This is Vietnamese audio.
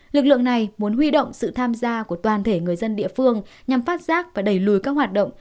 lực lượng này muốn huy động sự tham gia của toàn thể người dân địa phương nhằm phát giác và đẩy lùi các hoạt động